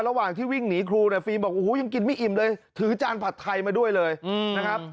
ระหว่างที่วิ่งหนีครูเนี่ยฟิล์มบอกโอ้โหยังกินไม่อิ่มเลยถือจานผัดไทยมาด้วยเลยนะครับ